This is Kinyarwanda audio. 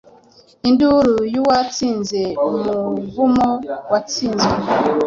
Induru Yuwatsinze, Umuvumo Watsinzwe,